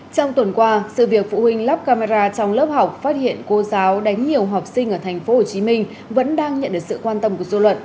trong tuần qua sự việc phụ huynh lắp camera trong lớp học phát hiện cô giáo đánh nhiều học sinh ở tp hcm vẫn đang nhận được sự quan tâm của dư luận